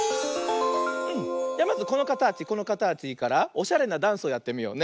まずこのかたちこのかたちからおしゃれなダンスをやってみようね。